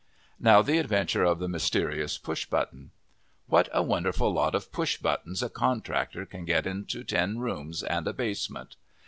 Now the Adventure of the Mysterious Push Button: What a wonderful lot of push buttons a contractor can get into ten rooms and a basement!